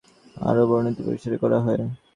গতবারের চেয়ে এবারের মেলা আরও বর্ধিত পরিসরে করা হয়।